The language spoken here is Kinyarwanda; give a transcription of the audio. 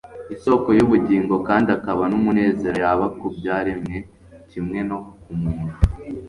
isoko y'ubugingo kandi akaba n'umunezero yaba ku byaremwe kimwe no ku muntu.